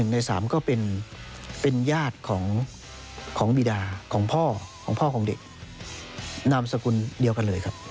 ใน๓ก็เป็นญาติของบีดาของพ่อของพ่อของเด็กนามสกุลเดียวกันเลยครับ